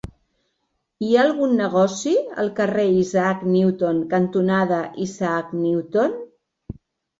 Hi ha algun negoci al carrer Isaac Newton cantonada Isaac Newton?